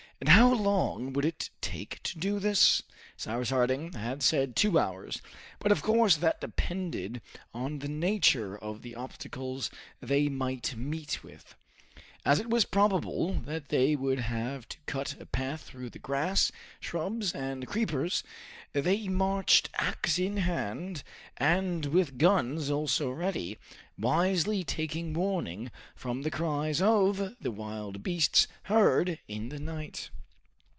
And how long would it take to do this? Cyrus Harding had said two hours, but of course that depended on the nature of the obstacles they might meet with. As it was probable that they would have to cut a path through the grass, shrubs, and creepers, they marched axe in hand, and with guns also ready, wisely taking warning from the cries of the wild beasts heard in the night.